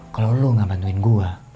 kalau lo nggak bantuin gue